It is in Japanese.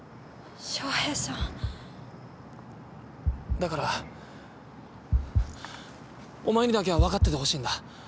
だからお前にだけはわかっていてほしいんだ。